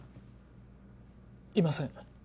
いません。